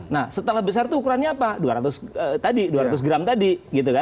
nah setelah besar itu ukurannya apa dua ratus gram tadi